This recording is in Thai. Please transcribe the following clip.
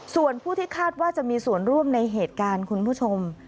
ส่วนผู้ที่คาดว่าจะมีส่วนร่วมในเหตุการณ์คุณผู้ชม